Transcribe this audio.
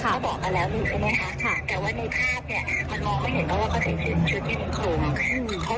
เขาบอกกันแล้วหรือใช่ไหมคะ